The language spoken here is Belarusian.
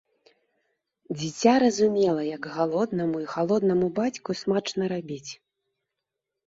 Дзіця разумела, як галоднаму і халоднаму бацьку смачна рабіць.